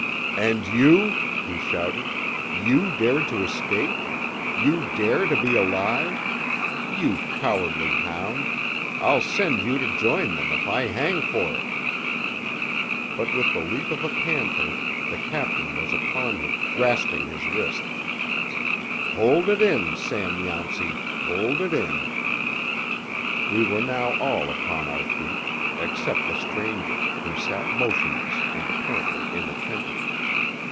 "And you!" he shouted—"you dared to escape?—you dare to be alive? You cowardly hound, I'll send you to join them if I hang for it!" But with the leap of a panther the captain was upon him, grasping his wrist. "Hold it in, Sam Yountsey, hold it in!" We were now all upon our feet—except the stranger, who sat motionless and apparently inattentive.